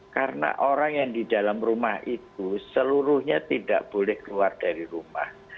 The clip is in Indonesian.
karena orang yang di dalam rumah itu seluruhnya tidak boleh keluar dari rumah